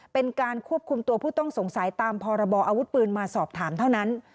เป็นการควบคุมตัวผู้ต้องสงสัยตามพรบออาวุธปืนมาสอบถามเท่านั้น